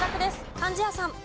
貫地谷さん。